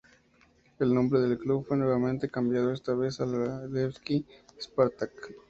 El nombre del club fue nuevamente cambiado, esta vez a Levski Spartak.